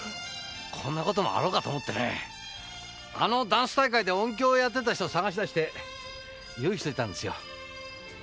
こんな事もあろうかと思ってねあのダンス大会で音響やってた人を探し出して用意しといたんですよ。